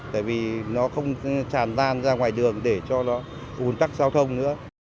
tại vì nó không tràn lan ra ngoài đường để cho nó ủn tắc giao thông nữa